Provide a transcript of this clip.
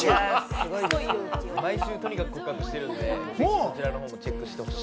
毎週とにかく告白してるんで、そちらのほうもチェックしてほしい。